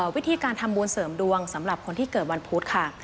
วิธีการทำบุญเสริมดวงสำหรับคนที่เกิดวันพุธค่ะ